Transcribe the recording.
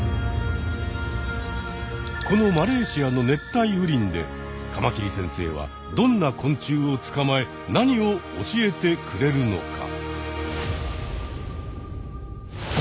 このマレーシアの熱帯雨林でカマキリ先生はどんな昆虫をつかまえなにを教えてくれるのか？